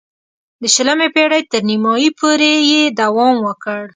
د شلمې پېړۍ تر نیمايی پورې یې دوام وکړ.